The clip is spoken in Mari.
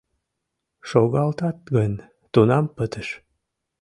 Шогалтат гын — тунам пытыш.